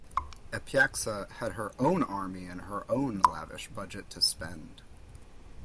Epyaxa had her own army and her own lavish budget to spend.